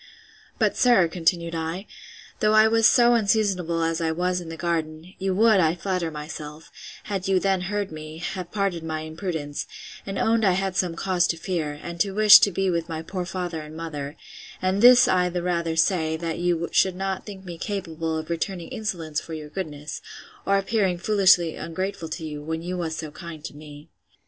But sir, continued I, though I was so unseasonable as I was in the garden, you would, I flatter myself, had you then heard me, have pardoned my imprudence, and owned I had some cause to fear, and to wish to be with my poor father and mother: and this I the rather say, that you should not think me capable of returning insolence for your goodness; or appearing foolishly ungrateful to you, when you was so kind to me.